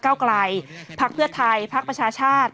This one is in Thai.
เก้าไกรภักดิ์เพื่อไทยภักดิ์ประชาชาติ